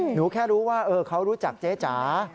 หนูแค่รู้ว่าเขารู้จักเจ๊จ๋า